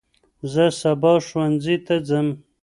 زه سباه ښوونځي ته ځم.